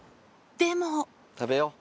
でも食べよう。